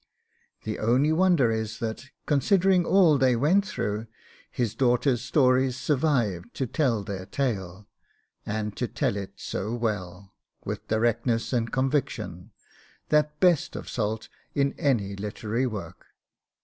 The only wonder is that, considering all they went through, his daughter's stories survived to tell their tale, and to tell it so well, with directness and conviction, that best of salt in any literary work.